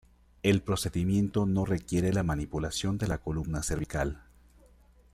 El procedimiento no requiere la manipulación de la columna cervical.